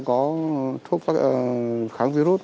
có thuốc kháng virus